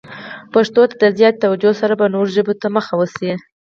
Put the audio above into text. پښتو ته د زیاتې توجه سره به نورو ژبو ته مخه وشي.